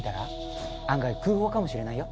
案外空砲かもしれないよ。